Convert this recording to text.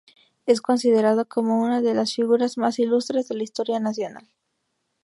Es considerado como una de las figuras más ilustres de la Historia Nacional.